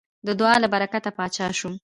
د دعا له برکته پاچا شو.